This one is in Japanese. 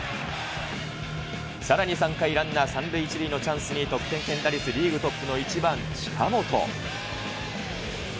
さらに３回ランナー３塁１塁のチャンスに、得点圏打率リーグトップの１番近本。